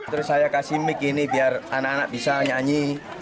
terus saya kasih mic ini biar anak anak bisa nyanyi